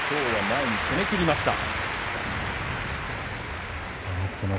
前に攻めきりました。